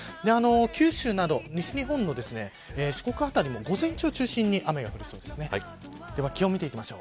九州など西日本の四国辺りも午前中を中心に雨が降りそうです。